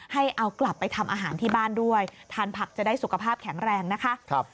ให้เอากลับไปทำอาหารที่บ้านด้วยทานผักจะได้สุขภาพแข็งแรงนะคะ